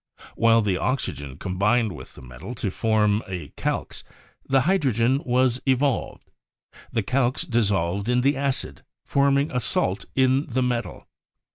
While the oxygen combined with the metal to form a 'calx/ the hydrogen was evolved; the 'calx' dissolved in the acid, forming a salt of the metal.